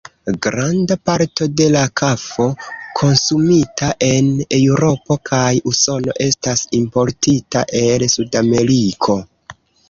Granda parto de la kafo konsumita en Eŭropo kaj Usono estas importita el Sudameriko.